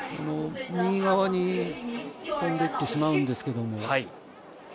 右側に飛んでってしまうんですけども。